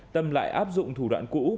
tâm lại áp dụng thủ đoạn cũ